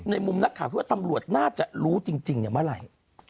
ในมุมนักข่าวที่ว่าตำรวจน่าจะรู้จริงเนี่ยว่าไง